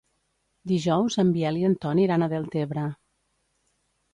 Dijous en Biel i en Ton iran a Deltebre.